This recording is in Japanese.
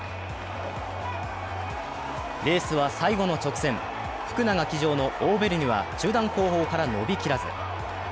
レースは最後の直線、福永騎乗のオーヴェルニュは中団後方から伸びきらず。